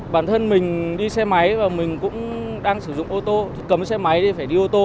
bản thân mình đi xe máy và mình cũng đang sử dụng ô tô cấm xe máy thì phải đi ô tô